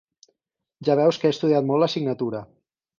Ja veus que he estudiat molt l'assignatura.